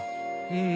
うん。